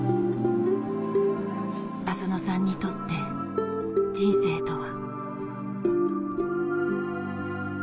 浅野さんにとって人生とは？